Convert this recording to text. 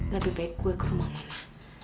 lebih baik gue ke rumah lelah